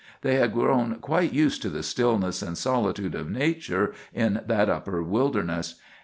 They had grown quite used to the stillness and solitude of nature in that upper wilderness.